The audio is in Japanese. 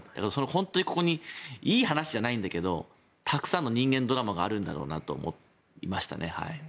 本当にここにいい話じゃないんだけれどたくさんの人間ドラマがあると思いましたね。